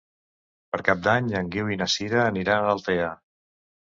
Per Cap d'Any en Guiu i na Sira aniran a Altea.